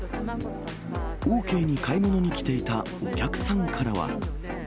オーケーに買い物に来ていたお客さんからは。